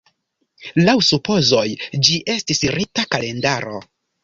Laŭ supozoj, ĝi estis rita kalendaro.